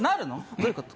どういうこと？